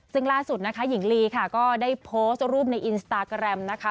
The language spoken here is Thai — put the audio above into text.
ซึ่งล่าสุดนะคะหญิงลีค่ะก็ได้โพสต์รูปในอินสตาแกรมนะคะ